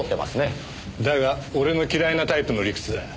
だが俺の嫌いなタイプの理屈だ。